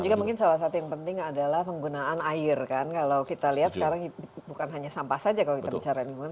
dan juga mungkin salah satu yang penting adalah penggunaan air kan kalau kita lihat sekarang bukan hanya sampah saja kalau kita bicara dengan orang